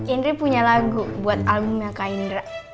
indri punya lagu buat albumnya kak indra